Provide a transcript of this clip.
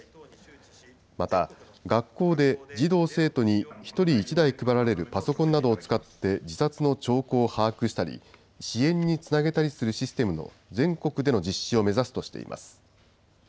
また、学校で児童・生徒に１人１台配られるパソコンなどを使って自殺の兆候を把握したり、支援につなげたりするシステムの全国での実施を目指すとしています。